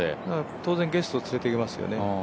当然ゲストを連れていけますよね。